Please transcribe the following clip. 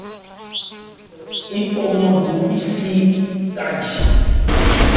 Yípɔ-nman bhu bhísi ka ji.